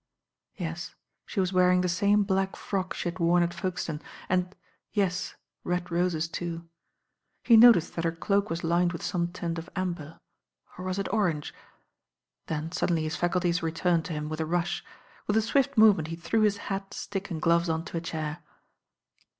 Yes, she was wearing the same black frock she had worn at Folkestone and— yes, red roses, too. He noticed that her cloak was lined with some tint of amber, or was it orange? Then suddenly his faculties re turned to him with a rush. With a swift movement he Jhrew his hat, stick and gloves on to a chair.